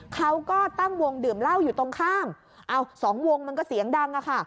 เขาก็ตั้งวงดื่มเหล้าอยู่ตรงข้ามเอาสองวงมันก็เสียงดังอะค่ะ